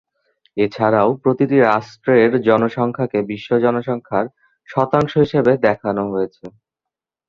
এছাড়াও প্রতিটি রাষ্ট্রের জনসংখ্যাকে বিশ্ব জনসংখ্যার শতাংশ হিসেবে দেখানো হয়েছে।